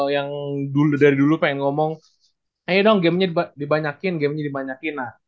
yang dulu dari dulu pengen ngomong ayo dong gamenya dibanyakin gamenya dibanyakin